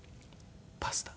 パスタ。